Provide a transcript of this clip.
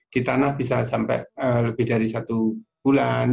di tanah bisa sampai lebih dari satu bulan